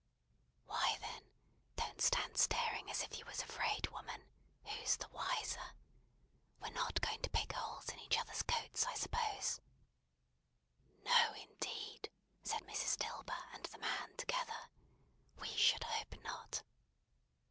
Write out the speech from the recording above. "Why then, don't stand staring as if you was afraid, woman; who's the wiser? We're not going to pick holes in each other's coats, I suppose?" "No, indeed!" said Mrs. Dilber and the man together. "We should hope not."